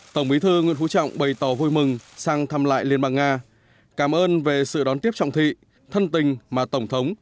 tổng bí thư nguyễn phú trọng bày tỏ vui mừng sang thăm lại liên bang nga cảm ơn về sự đón tiếp trọng thị thân tình mà tổng thống